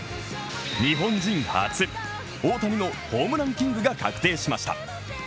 日本人初、大谷のホームランキングが確定しました。